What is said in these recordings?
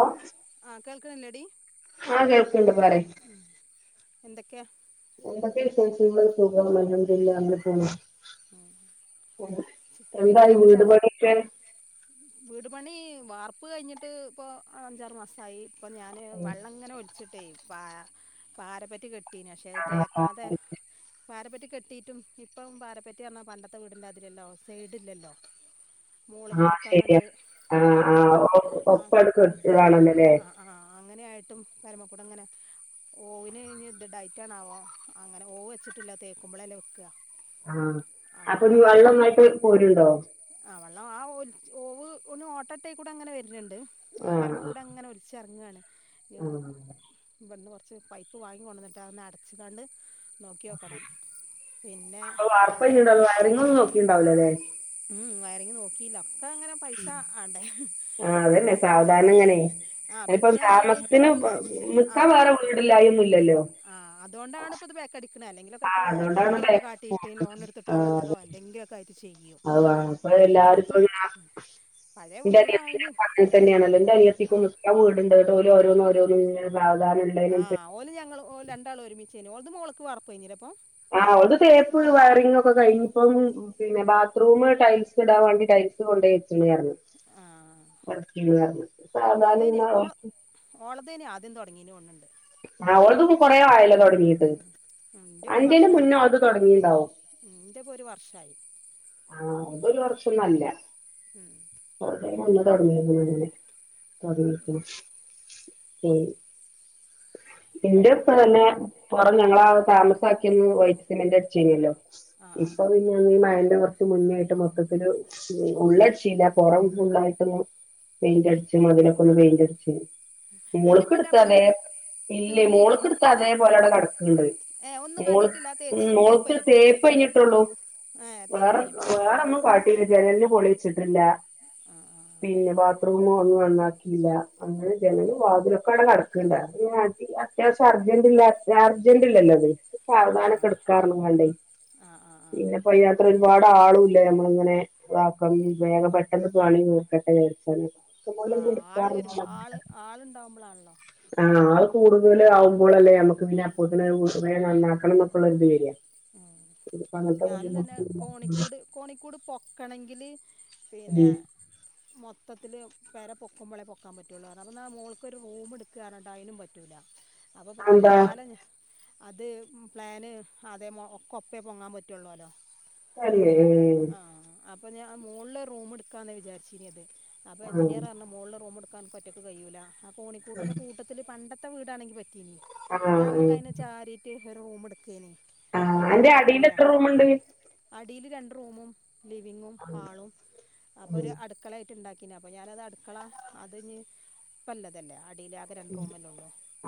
ഓഹ ആഹ കൾക്ക അടി ആഹ കേൾക്കണ്ട് പററെേ എന്തൊക്കെയാ എന്തൊക്കെയ വിശേഷൾ സൂഖ മല്ലണ്ടല്ല അവിടെ പോണണം എന്തായി വീട് പണക്ക വീട് പണി വാർപ്പ് കഴിഞ്ഞിട്ട് ഇപ്പൊ അഞ്ചാറ് മാസയി അപ്പൊ ഞാന് വെള്ളം ഇങ്ങനെ ഒലിച്ചിട്ടേ പ പാരപ്പറ്റി കെട്ട പക്ഷെ തേക്കാതെ പാരമ്പ കെട്ടിയിട്ടും ഇപ്പം പാരപ്പെ വ പറഞ്ഞ പണ്ടത്തെ വീടിന്റെ അതിലല്ലോ സൈഡില്ലല്ലോ മോളൊക്കെ എടുക്കാൻ കണ്ട് ഒറ്റ ആ ആ ആ ആ അങ്ങനൊയിട്ട് ും കരമക്കൂടം ഇങ്ങനെ ഓവിന് ക ഇ ഡയറ്റ ആണ ആവാോ അങ്ങനെ ഓവ് വച്ചിട്ടില്ല തേക്കുമ്പോളല്ലാം വെക്കുക ആഹ അപ്പൊ ഒരു വെള്ളമായിട്ട് പോരുണ്ടോ കാര ഓവ് ഒ ഓട്ടട്ട കൂടെ അങ്ങനെ വ ണ്ട് ആ പരമ കൂടെ അങ്ങനെ ഒലിച്ചിറങ്ങുവയാണ് [unintelligible] ബ ച്ച് പൈപ്പ് വാങ്ങി കൊണ്ടന്ന്ട്ട് അഒന്ന് അടച്ച്കാണ്ട് നോക്യോക്കണം പിന്നെ വയറിങ്ങൊന്നും നോക്കിണ്ടാവൂലലെ വയറിങ് നോക്കീല അങ്ങനെ പൈസ ആണ്ടെ അപ്പ പിന്നങ്ങനെ ആ പിന്നെർഞ്ഞാല് ആ ആ അതോണ്ടാണ് ബേക്കടിക്ക്ണെ എന്തെങ്കിലൊക്കെ എത്രൊ എത്തെങ്കിലൊക്കെ കാട്ടീട്ട് ലോൺ എടുത്തിട്ടോ മറ്റതോ എന്തെങ്കിലൊക്കായിട്ട് ചെയ്യും [unintelligible] ഇന്റെ അനിയത്തിന്റെ [unintelligible] ഇന്റെ അനിയത്തിക്കും നിക്കാൻ വീട്ണ്ട് ന്ന്ട്ട് ഓല് ഓരോന്നോരോന്ന് ഇങ്ങനെ ആ ഓല് ഞങ്ങളു രണ്ടാളൊരുമിച്ച് ഓൾത് മോള്ക്ക് വാർപ്പ് കഴിഞ്ഞില്ലെപ്പം ആ ഓൾത് തേപ്പ് വയറിംഗ് ഒക്കെ ആ കഴിഞ്ഞിപ്പം പിന്നെ ബാത്റൂമ് ടൈൽസ്ടാ വേണ്ടി ടൈൽസ് കൊണ്ടയ്ച്ച്ണ്ർഞ്ഞി സാവധനങ്ങനാവും ങ്ങിനൊന്ന്ണ്ട് ആ ഓൾത്പ്പൊ കൊറേ ആയല്ലോ തൊട്ങ്ങീട്ട് അന്റേന്റെ മുന്നെ ഓൾത് തൊട്ങ്ങീണ്ടാവും ആ അതൊരു വർഷൊന്നല്ല [unintelligible] ന്ന് തുടങ്ങീര്ന്ന്ങ്ങനെ [unintelligible] മംഇന്റെ ഇപ്പതന്നെ പൊറം ഞങ്ങളാ താമസാക്യന്ന് വൈറ്റ് സിമെന്റടിച്ചീനല്ലോ ഇപ്പൊ പിന്നന്ന് ഈ മഴ [unintelligible] മുന്നായിട്ട് മൊത്തത്തില് ഉള്ളട്ച്ചീല്ല പൊറം ഫുള്ളായിട്ടൊന്ന് പെയിൻ്റട്ച്ച് മതിലൊക്കൊന്ന് പെയിന്റട് ച്ച് മോള്ക്കെടുത്ത് അതെ ഇല്ലേ മോള്ക്ക്ട്ത്ത അതേ ഇല്ലേ മോള്ക്ക്ട്ത്ത അതെ പോലെ അവ്ടെ കടക്ക്ണ്ട് മോൾക് ഉം മോള്ക്ക് തേപ്പഴിഞ്ഞിട്ടൊള്ളൂ വേറെ വേറൊന്നും കാട്ടീല്ല ജനൽന് പൊളിച്ചിട്ടില്ല പിന്നെ ബാത്ത് റൂമൊന്നും നന്നാക്കീല്ല അങ്ങനെ ജനലും വാതിലൊക്കട കട ക്ക്ണ്ട് പിന്നെ അടി അത്യാശ്യം അർജന്റില്ല അർജൻ്റില്ലല്ലോ അത് സാവധാനക്കെ ഇട്ക്കാർഞ്ഞ്കാണ്ട് പിന്നെ പോ ഐനാത്ര ഒരുപാട് ആളൂല നമ്മളിങ്ങനെ താക്കാൻ വേഗം പെട്ട പണി തീർക്കട്ടെജാര്ച്ചാന് [unintelligible] ആ കൂടുതല് ആവും മോളല്ലേ നുക്ക് പിന്നെ അപോ തിന് നന്നാക്കണം എന്നൊക്കള്ള ഒര്ന്ത് വരിക ഇപ്പോ അങ്ങനത്തെ ബുദ്ധിമുട്ട് ഇല്ല കൂട് കോണിക്കുട് പൊക്കണങ്കിൽ പിന്നെ മൊത്തത്തിൽ പൊരപൊുമ്പോളേ പൊക്കാൻ പറ്റയുള്ളൂ എന്ന് പറഞുഅപ്പോനാമോൾക്കൊരു റൂം എടുക്കാ അതിനും പറ്റൂില്ല അപ്പൊ ഇപ്പൊ തൽക്കാലം ഞാൻ അത് പ്ലാന് അതെ ഒക്കേ ഒപ്പേ പൊങ്ങാൻ പറ്റുള്ളൂല്ലോ അത ഉ അപ്പ ഞാൻ മുകളില് റൂം എടുക്കാന്നന്ന് വിചരിച്ചിനത് അപ്പ എ ൻജിനീയർ പറഞ്ഞു മുകളില് റുമ് എടു അണക്ക്കൊറ്റക്ക് കഴയിൂലഹ കോണിക്കൂടിന്റെ കൂട്ടത്തില്ൽ പണ്ട പണ്ടത്തെവീടണെങ്കി പറ്റു നമുക്ക്തിനെ ചാരിറ്റ് ഒരു റുമ് എടുകായിരുന്നു ആ അന്റെ അടിൽ എത്ര റൂമുണ്ട് അടിൽ രണ്ട് റൂമും ലിവിങ്ങും ഹാളും അപ്പൊ ഒരു അടുക്കളായി ഉണ്ടാക്കി അപ്പൊ ഞാനത് അടുക്കള അത്ഞ് ഇപ്പോ ഇളതല്ലോ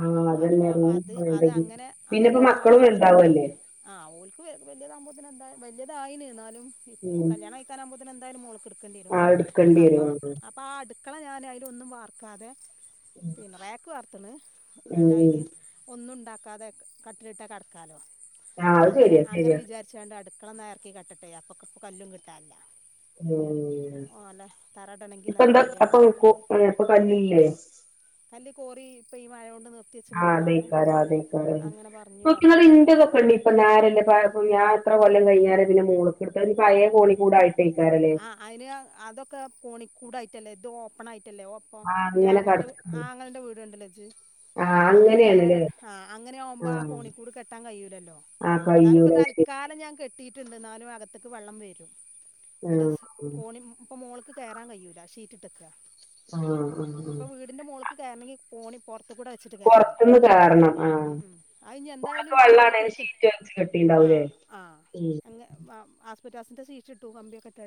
ആഹ അതന്നെറ പിന്നെപ്പോ മക്കളും വലുതാവല്ലോ ആഹ അവഓക്ക് വലിയതാകുമ്പോന് എന്താ വലിയതായി ലോ ന്നാലും കല്യാണം കഴിക്കാരവുമ്പോത്തി പിന്നെ എന്തായലും മോള്ക് എടുക്കണം ഇടുക്കേണ്ടിരും അപ്പൊ അപ്പൊ ആടു മക്കളെ ഞാൻ അതില ഒന്നും പാർക്കാതെ പിന്നെ റാക്ക് വാർത്തണ് എന്നിട്ട് അതില് ഒന്നുണ്ടാക്ക നക്ക അത കട്ടിലിട്ടാൽ കിടക്കാാലോ അങ്ങനെ അങ്ങനെ വിചാരിച്ച കൊണ്ട് അടുത്ത് അടുക്കള ഒന്ന് ന്നാ ഇർക്കി കട്ടെ അപ്പം കല്ലും കിട്ടാനല്ല ഉ ഇപ്പ എന്താ അപ്പൊ ഇപ്പൊ കല്ലില്ലേ കല്ല്കോറി ഇപ്പോഈ മഴണ്ട് ആ അതേക്കാര അതക്കാര നോക്ക ഇറ്റത്‌ന്തൊക്കെ പി അരല്ലേത്ര കഴിഞ്ഞ പിന്ന മോൾക് എടുത്തു അയിൻ പയേ കോണിൂടായിട്ട് ആ അയിന അതൊക്ക കോണി കൂടയിട്ടല്ല എത് ഓപ്പൺ ആയിട്ട് ല്ലേ അപ്പ എന്റെ ആ ആങ്ങളന്റെ വീടുണ്ടല്ലോജ അത് നേരെ ആ അങ്ങനെ ആകുമ്പോ ആ കോണിക്കൂട് കെട്ടാൻ കഴിൂല്ലല്ലോ എന്നാലും ഇപ്പ തൽക്കാലം ഞാൻ കെട്ടി ണ്ട എന്നാലും അകത്തേക്ക് വെള്ളം വരും എ കോണി ഇപ്പൊ മോൾക്ക് കേറാൻ കയൂല ഷീറ്റിട്ടക്ക ആആ ആ ആ കേറണെങ്കി കോണി പൊർ ത്ത് കൂടെ വെച്ചിട്ട് കേറണം ഉ ഉം അ ഇഞ്ഞി എന്തായാലും ഇനിക്ക് മോള്ക്ക്ട്ക്ക് ആ ആ അങ്ങെ [unintelligible] ഒരു ടെറസ്സിന്റെ ഷീറ്റിട്ടു കമ്പിയൊക്കെ ട്ട്ട്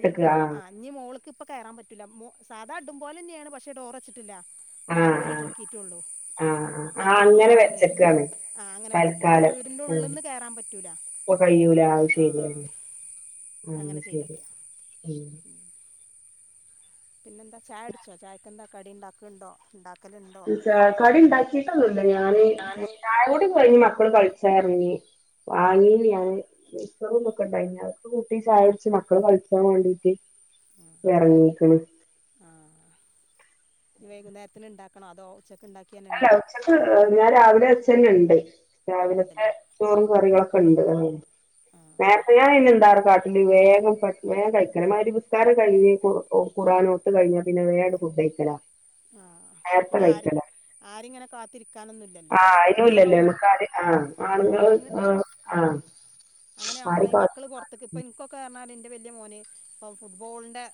ഇഞ്ഞി ആ ഇഞ്ഞി മോള്ക് ക്ക്പ്പ കയറൻ പറ്റൂല്ല മോ സാധാ ടും പോലെന്നേണ് പക്ഷെ ഡോറച്ചിട്ടില്ല നാല് വരി പൊക്കീട്ടുള്ളൂ മറ്റൊടുത്ത് മൂന്ന് വരി ആ അങ്ങനെ വെച്ചക്കെ പ്പൊ വീടിന്റുള്ളിന്ന് കയറാൻ പറ്റൂല ആ ആ ആ ശരി ഉം. പിന്നെന്താ ചായ അടിച്ചോ ചായക്ക്ന്താ കടി ഉണ്ടാക്ണ്ടോ ഉണ്ട ചായ കടി ഉണ്ടാക്കിട്ടൊന്നുല്ല ഞാൻ ചായ കുടി [unintelligible] മക്കള് കളിച്ചാൻ ഇറങ്ങി. വാങ്ങീന് ഞാന്. മിക്സ്‌ചറും തൊക്കെ ണ്ടായീനു. അതൊക്കെ കൂട്ടി ചായ കുട്ച്ച് മക്കള് കളിച്ചാൻ വേണ്ടീട്ട് ഇറങ്ങീക്കണ് ഈ വൈകുന്നേരത്തിന് ഉണ്ടാക്കണം അതോ ഉച്ചക്ക് ഉണ്ടാക്ക അല്ല ഉച്ചക്ക് ഞാൻ രാവിലെ വച്ചതന്നെ ണ്ട് രാവിലത്തെ ചോറും കറികളൊക്കെ ഉണ്ട്. നേരത്തെ ഞാൻ അയ്ന് എന്താന്നോ കാട്ടല് വേഗം പെ വേം കഴിക്കണം. മഗ്‌രിബ് നിസ്കാരം കഴിഞ്ഞു ഖുർആൻ ഓത്ത് കഴിഞ്ഞാ പിന്നെ വേം ങ്ങട്ട് ഫുഡ് കഴിക്കലാ. നേരത്തെ കഴിക്കലാ. ആരിങ്ങനെ കാത്തിരിക് ക്കാനൊന്നുല്ലല്ലോ അങ്ങനെ ആവുമ് അങ്ങ് അങ്ങനെ ആവുമ്പളാ ഈ മക്കള് പുറത്ക്ക് ഇ പ്പോ ഇൻക്കൊക്കെ ന്ന് പറഞ്ഞാല് വലിയ മോന് ഇപ്പൊ ഫുട്ബോളിന്റെ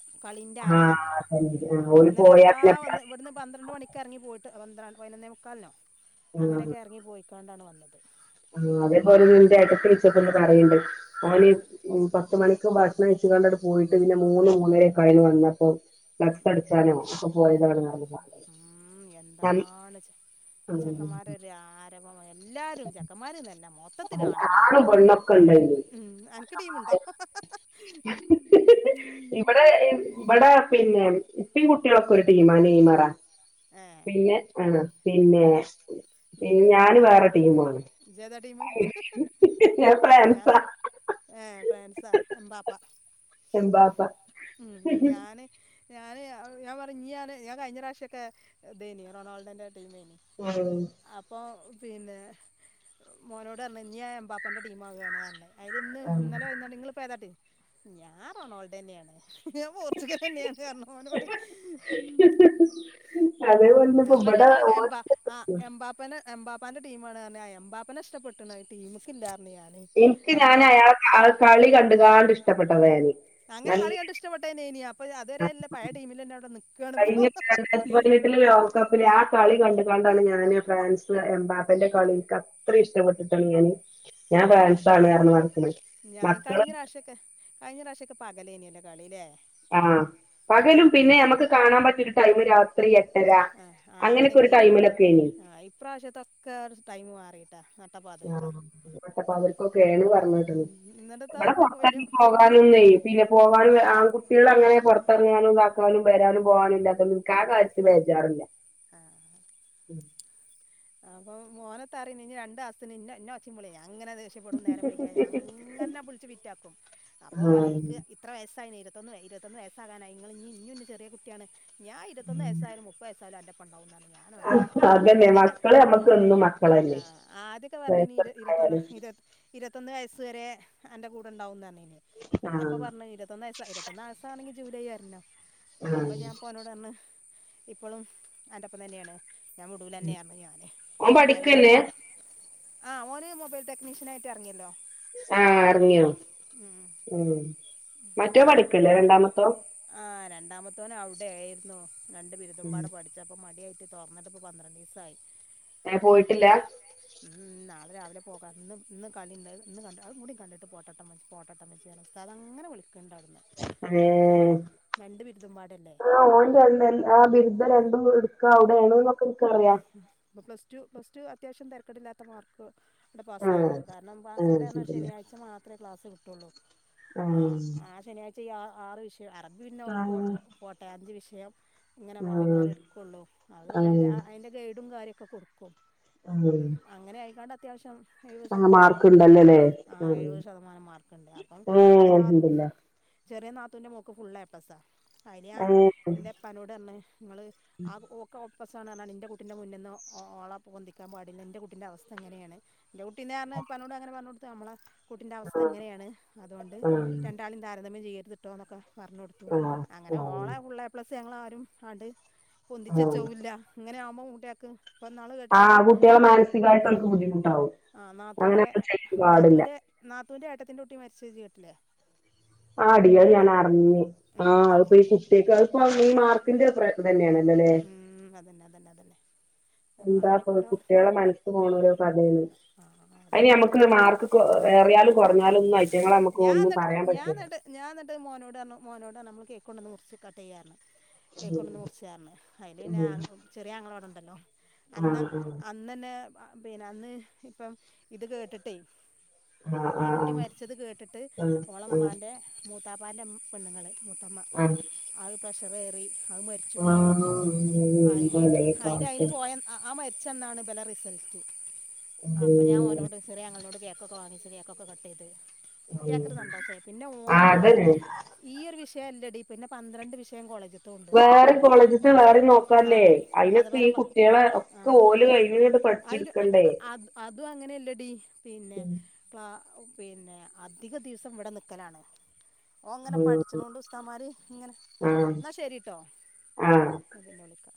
ആ അതന്നെ ഓല് പോയാ പിന്നെ എപ്പളാ ഇന്ന് പന്ത്രണ്ട് മണിക്കെറങ്ങി പോയിട്ട് പന്ത്ര പയ്നൊന്നെ മുക്കാലിനോ അങ്ങനെയൊക്കെ ഇറങ്ങി പോയി ണ്ടാണ് വന്നത് ആ അതേപോലെ ന്റെ ഏട്ടത്തി വുൾച്ചപ്പണ്ട് പറിണ്ട്. [unintelligible] പത്ത് മണിക്ക് ഭക്ഷണം കഴിച്ച് കാണ്ട് ആണ്ട് പോയിട്ട് പിന്നെ മൂന്ന് മൂന്നരക്കെ ആയിണ് വന്നപ്പോ. ഫ്ളക്സ് അട്ച്ചാനോ ഒക്കൊ പോയതാണ് [unintelligible] എല്ലാരും ചെക്കന്മാരന്നല്ല. മൊത്തത്തില് ആണ്ങ്ങള് ഉം അൻക്ക് ടീമ്ണ്ടോ? ഇപ്പിം കുട്ടിളൊക്കെ ഒരു ടീമാ നൈമറാ. പിന്നെ ആ പിന്നെ പിന്നെ ഞാന് വേറെ ടീ ജ് ഏതാ ടീമ് ഞ ഏ ഫ്രൻസാ എമ്പാപ്പ ഉം ഞാന് ഞാന് ഞാൻ പർഞ്ഞ് ഇഞ്ഞ് ഞാന് ഞാൻ കഴിഞ്ഞ പ്രാവശ്യക്കെ ദേനി റൊണാൾടന്റെ റെമേനി അപ്പം പിന്നെ മോനോട് പറഞ് ഇഞ് ഞാന് എമ്പാപ്പന്റെ ടീംമാവാണ് പറഞ് അതിൽ ഇന്ന് ഇന്നലെ വന്നാണ്ട് നിങ്ങള് പേതാടീമ് ഞാ റൊണാൾഡ് ന്നെണ് ഞാൻ പോർച്ചുഗല്ലെന്നെയാണ് ഓനോട്‌ അപ്പൊങ്ങള് എ ആ എബാപ്പൻറ്റെ എമ്പ പ്പാന്റെ ടീമാണ്ണ് എമ്പാപ്പ നഷ്ടപ്പെട്ട്ണ് ടീമ്ക്കില്ല എനിക്ക് ഞാൻ അയാൾ കളി കണ്ട്കാണ്ട് ഇഷ്ടപ്പെട്ടതായിന് കഴിഞ്ഞ രണ്ടായിരത്തി പതിനെട്ടിലെ ലോക കപ്പിലെ ആ കളി കണ്ട് കണ്ടാണ് ഞാന് ഫ്രാൻസ് എംബാപ്പന്റെ കളിക്ക് അത്ര ഇഷ്ടപ്പെട്ടിട്ടാണ് ഞാന് ഞാൻ ഫ്രാൻസ് ആണ് ന്ന്റഞ്ഞ ഹ് മക്കള് കഴിഞ്ഞ പ്രാവശ്യൊക്കെ പകലേനികളില്ലേ ആ പകലും പിന്നെ നമക്ക് കാണാൻ പറ്റിയ ഒരു ടൈം രാത്രി ആ ആ അങ്ങനെയൊക്കെ ഏയിരുന്നു ആ ഇപ്രാവശ്യത്തൊക്കെ ടൈം മാറി [unintelligible] ആ നട്ടപാതിരക്കോകെണ് ന്ന് പറഞ് കേട്ട്ണ് എവിടെ [unintelligible] പിന്നെ പോകാൻ ആൺകുട്ടികള് അങ്ങനെ പൊ റിയാനുംകാക്കാനും വരാനും പോകാനുല്ലാതോണ്ട് ഇൻക്ക് ആ കാര്യത്തില് ബേജാറില്ല [unintelligible] അപ്പൊ മോന് ത്ത അറിന് ഇനി രണ്ട് മാസത്തിന് ഇന്നെ ഒച്ചി മ്പുളീം അങ്ങനെ ദേഷ്യപ്പെടും നേരം വൈകിയാണ്ട് ചെന്നാ അങ്ങനെ വിൾച്ച് ഫിറ്റാക്കും അപ്പോം പറിം ഇൻക്ക് ഇത്ര വയസായി ഇ തോന്ന് ഇരുപത്തൊന്ന് വയസ്സകാനായി ഇങ്ങള് ഇഞ്ഞും ഇനെ ചെറീ കുട്ടിയാണ് ഞാ ഇരുത്തോന്ന്സായാലും മുപ്പത് വയസ്സയാലും അന്നെ [unintelligible] അ അതെന്നെ മക്ക ഇപ്പൊ നമ്മക്കൊന്നും മക്കളെല്ലൊ [unintelligible] ന്ന് വയസ് അന്ടെ കൂടെ ഉണ്ടാവും ന്ന് പറഞ്ഞ പിന്നെപ്പൊ പറഞ്ഞ ഇരുപത്തൊന്നു ഇരുപത്തൊന്നു വയസ് ആണെങ്ക ജൂലൈ വരണം അപ്പൊ ഞാൻ പോ പറഞ്ഞു ഓനോടണ് ഇപ്പോളും എന്റെ പ്പം തന്നെയാണ് ഞാൻ വിടൂലന്നേ പറഞ്ഞു ഓൻ പഠിക്കല്ലേ ആഹ് ഓന് മൊബൈൽ ടെക്നീഷ്യൻായിട്ട് എറങ്ങിയല്ലോ ആ എർങ്ങ്യോ ഉം മറ്റോ പഠിക്കില്ലേ രണ്ടാമത്തോൻ ആ രണ്ടാമത്തോന് അവിടെ ആയിരുന്ന് രണ്ട് ബിരുദുംമ്പാട പഠിച്ചപ്പോ മടിയായി തോർന്നിട്ട്പ്പം പന്ത്രണ്ടിസായി ഞാൻ പോയിട്ടില്ല രാവിലെ പോകാം ഇന്ന് കളിണ്ട് ഇന്ന് കണ്ട് അത് കൂടി കണ്ടിട്ട് പോട്ടമ്മച്ചി പോട്ട ഉസ്താദ് അങ്ങനെ വിളി ണ്ടവുടന്നു ഏ ആ ഓൻ ര ആ ബിരുദ്ധ രണ്ട് എടുക്ക അവിടെയാണ് എന്നൊക്കെ ൻക്കറിയാം അപ്പ പ്ലസ്ടു പ്ലസ്ടു അത്യാവശ്യം തരക്കേടില്ലാത്ത മാർക്ക് പാസ്സായിണ് കാരണം പാസ്സോഡ് എന്നാ ശനിയാഴ്ച മാത്രേ ക്ലാസ് കിട്ടുള്ളൂ ആ ഇ ആ ആറ് വിഷയം അറബി പിന്നെ ഓൽക്ക് പോട്ടെ അഞ്ച് വിഷം ഇങ്ങനെ മാറി മാറി എടുക്കുള്ളൂ അത് നല്ല അതിന്റെ ഗൈഡും കാര്യ ഒക്കെ കൊടുക്കും അങ്ങനെ ആയിക്കാണ്ട അത്യാവശ്യം എഴുപത് ശതമാനം മാർക്ക്ണ്ട് ആ എഴുപത് ശതമാനം മാർക്ക്ണ്ട് അപ്പം ഇന്ടെ നാത് ചെറിയ നാതൂന്റെ മോ ഫുള്ള് എ പ്ലസാ അയില് ഞാൻ ഇൻ്റെപ്പാനോട് പറഞ്ഞു ങ്ങള് ആ ഒക്കെ ടോപ്പസാണ്ന്ന് പറഞ്ഞാണ്ട് ന്റെ കുട്ടിന്റെ മുന്നിന്നു ഓളെ പൊന്തിച്ചാ പാടില്ല എന്റെ കുട്ടിന്റെ അവസ്ഥ ഇങ്ങനെയാണ് എന്റെ കുട്ടീന്റെ പറഞ ഉപ്പാനോട് അങ്ങനെ പറഞ്ഞഞ്ടുത്ത് നമ്മളെ കുട്ടിൻ്റെ അവസ്ഥ ഇങ്ങനെയാണ് അതുകൊണ്ട് രണ്ടാളീം താരതമ്യം ചെയ്യ ത്ട്ടോന്നൊക്കെ പറഞ്ഞൊടുത്തു അങ്ങനെ ഓളെ ഫുള്ള് ഏപ്ലസ് ഞങ്ങളാരും ആണ്ട് പൊന്തിച്ച് വചവുല്ല മ്മൂട്ട്യാക്ക് പ്പന്നാള് കേട്ടില്ലെജ് നാ ആ നാത്തൂൻ്റെ നാത്തൂൻ്റെ നാത്തൂൻ്റെ ഏട്ടത്തിൻ്റെ കുട്ടി മരിച്ചത് ജ് [unintelligible] [unintelligible] [unintelligible] ഈ മാർക്കിന്റെ പ്രയത്നം ഉം അതന്നെതന്നെതന്നെ [unintelligible] കൊറഞ്ഞാലും ഞാന്ന്ട്ട് ഞാന്ന്ട്ട് ഞാന്ന്ട്ട് മോനോടറഞ്ഞു മോനൊടറഞ്ഞപ്പോ കേ കൊണ്ടന്ന് മുറിച്ച് കട്ട് ചെയ്യാരുന്നു കേക്കൊണ്ടന്ന് മുർച്ചാർന്നു അയില് പിന്നെ ആങ്ങ ചെറിയ ആങ്ങളവിടെ തന്നോ അന്ന അന്നന്ന് പിന അന്ന് ഇപ്പം ഇത് കേട്ടിട്ടെ ഈ കുട്ടി മരിച്ചത് കേട്ട് ട്ടിട്ട് ഓളമ്മാന്റെ മൂ താപ്പാന്റെ പെണ്ണുങ്ങള് മൂത്തമ്മ അയ് പ്രശ് [unintelligible] അത് മരിച്ചപ്പൊ അയില് അയിന് പോയ ആ മരി ചെന്നാണ് ബ് ലെ റിസൽട്ട് അപ്പൊ ഞാൻ ഓനോട് ചെറിയ ആങ്ങൾനോട് കേക്കൊക്കെ വാങ്ങി കേക്കൊക്കെ കട്ട്ചെയ്ത് കുട്ടീയാക്കൊരു സന്തോഷായി പിന്നെ ഓന്ന് എന്നാല് ഈ ഒരു വിഷ് ഷയല്ലെടീ പിന്നെ പന്ത്രണ്ട് വിഷയം കോളേജ് വേറെ കോളേജ്ത്തെ വേറെ നോക്കാല്ലേ അയിനൊക്കെ ഈ കുട്ടീളെ ഒക്കെ ഓലൊഴിഞ്ഞ്ണ്ട് പഠിച്ചെടുക്കണ്ടേ എടീ പിന്നെ ക്ലാ പിന്നെ അധിക ദിവസം ഇവിടെ നിക്കലാണ് ഓൻ ഇങ്ങനെ പഠിച്ചണോണ്ട് ഉസ്താദ്മാര് ഇങ്ങനെ എന്നാ ശരീട്ടോ പിന്നെ വിളിക്കാം